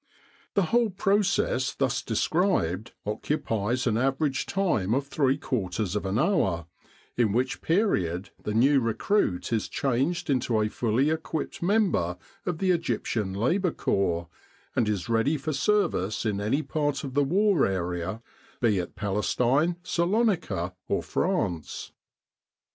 The whole process thus described occupies an average time of three quarters of an hour, in which period the new recruit is changed into a fully equipped member of the Egyptian Labour Corps, and is ready for service in any part of the War area, be it Palestine, Salonika, or France.